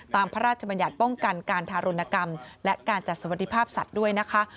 พระราชบัญญัติป้องกันการทารุณกรรมและการจัดสวัสดิภาพสัตว์ด้วยนะคะ